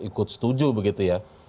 ikut setuju begitu ya